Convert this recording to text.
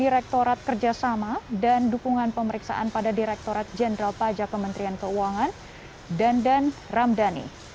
direktorat kerjasama dan dukungan pemeriksaan pada direktorat jenderal pajak kementerian keuangan dandan ramdhani